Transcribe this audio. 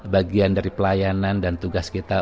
bagian dari pelayanan dan tugas kita